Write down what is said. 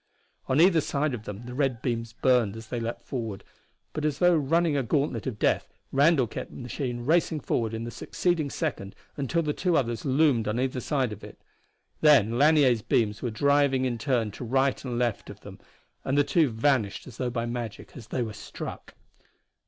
On either side of them the red beams burned as they leapt forward, but as though running a gauntlet of death Randall kept the machine racing forward in the succeeding second until the two others loomed on either side of it. Then Lanier's beams were driving in turn to right and left of them and the two vanished as though by magic as they were struck.